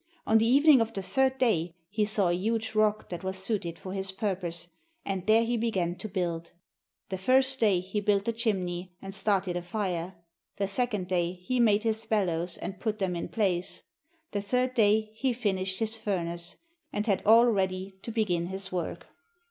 On the evening of the third day he saw a huge rock that was suited for his purpose, and there he began to build. The first day he built the chimney and started a fire; the second day he made his bellows and put them in place; the third day he finished his furnace, and had all ready to begin his work.